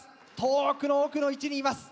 遠くの奥の位置にいます。